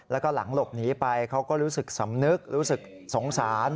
แล้วก็หลังหลบหนีไปเขาก็รู้สึกสำนึกรู้สึกสงสาร